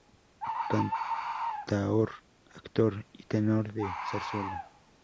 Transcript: Cantaor, actor y tenor de zarzuela.